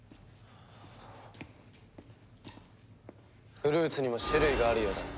フルーツにも種類があるようだな。